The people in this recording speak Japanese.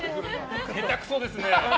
下手くそですね。